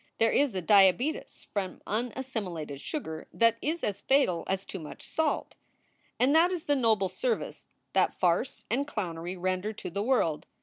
There is a diabetes from unassimilated sugar that is as fatal as too much salt. And that is the noble service that farce and clownery render to the world.